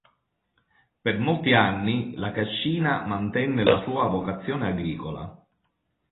Per molti anni la cascina mantenne la sua vocazione agricola.